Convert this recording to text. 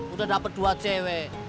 udah dapet dua cewek